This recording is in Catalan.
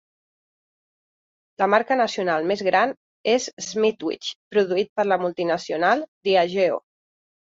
La marca nacional més gran es Smithwick's, produït per la multinacional Diageo.